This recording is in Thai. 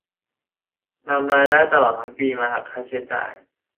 นำรายได้ตลอดทั้งปีมาหักค่าใช้จ่าย